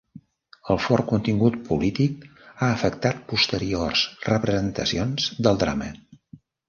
El fort contingut polític ha afectat posteriors representacions del drama.